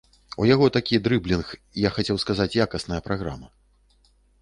У яго такі дрыблінг, я хацеў сказаць якасная праграма.